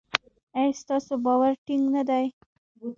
ایا ستاسو باور ټینګ نه دی؟